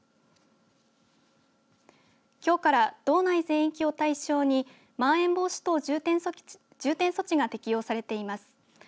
きょうから道内全域を対象にまん延防止等重点措置が適用されています。